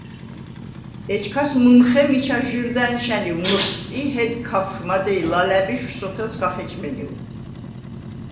ეჩქას მჷმხე მიჩა ჟჷრდ ა̈ნშა̈ნივ მჷხს ი ჰედ ქაფშვ, მადეჲ ლალა̈ბიშვ სოფელს ქა ხეჭმენივ.